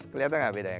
kelihatan tidak bedanya